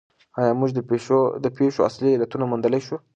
آیا موږ د پېښو اصلي علتونه موندلای شو؟